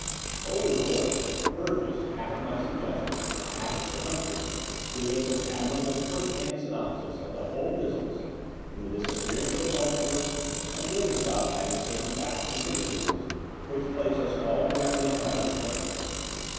Over the port Burgess, half at my suggestion, half at Sir Humphrey's, gave us an admirable first hand synopsis of the whole business from the disappearance of the Bolsovers; and Blenkinsopp added certain facts and criticisms, which placed us all directly in touch with everything.